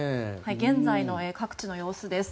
現在の各地の様子です。